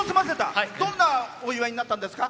どんなお祝いになったんですか？